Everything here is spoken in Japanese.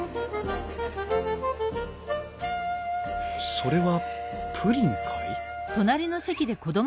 それはプリンかい？